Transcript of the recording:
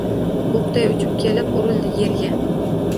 O’qday uchib kelib urildi yerga…